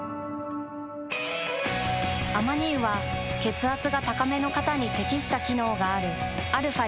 アマニ油は血圧が高めの方に適した機能があるαー